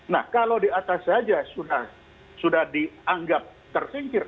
nah kalau di atas saja sudah dianggap tersingkir